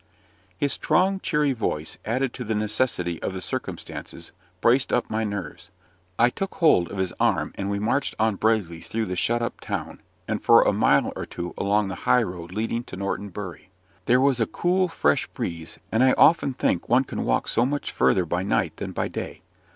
His strong, cheery voice, added to the necessity of the circumstances, braced up my nerves. I took hold of his arm, and we marched on bravely through the shut up town, and for a mile or two along the high road leading to Norton Bury. There was a cool fresh breeze: and I often think one can walk so much further by night than by day.